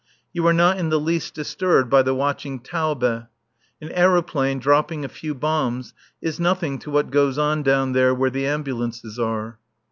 You are not in the least disturbed by the watching Taube. An aeroplane, dropping a few bombs, is nothing to what goes on down there where the ambulances are.